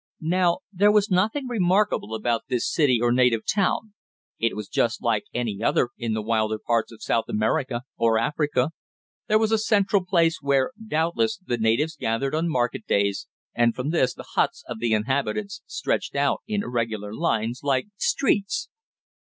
Now there was nothing remarkable about this city or native town. It was just like any other in the wilder parts of South America or Africa. There was a central place, where, doubtless, the natives gathered on market days, and from this the huts of the inhabitants stretched out in irregular lines, like streets.